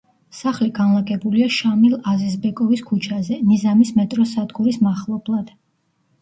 სახლი განლაგებულია შამილ აზიზბეკოვის ქუჩაზე, ნიზამის მეტროს სადგურის მახლობლად.